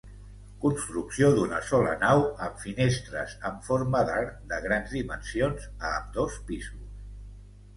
Construcció d'una sola nau amb finestres en forma d'arc de grans dimensions a ambdós pisos.